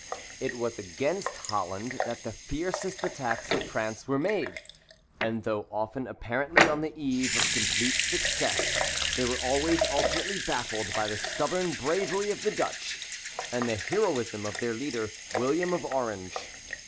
It was against Holland that the fiercest attacks of France were made, and though often apparently on the eve of complete success, they were always ultimately baffled by the stubborn bravery of the Dutch, and the heroism of their leader, William of Orange.